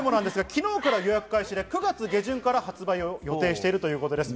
昨日から予約開始で９月下旬から発売を予定しているということです。